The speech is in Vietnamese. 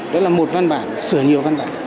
đó là một văn bản sửa nhiều